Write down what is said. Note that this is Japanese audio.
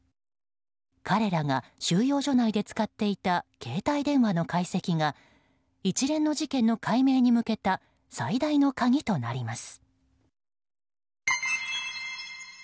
彼らが収容所内で使っていた携帯電話の解析が一連の事件の解明に向けた最大の鍵となります。